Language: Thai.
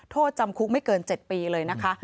โทษจำคุกไม่เกิน๗ปีเลยนะคะ